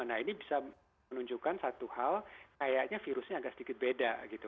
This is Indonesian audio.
nah ini bisa menunjukkan satu hal kayaknya virusnya agak sedikit beda gitu